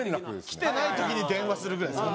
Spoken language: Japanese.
来てない時に電話するぐらいです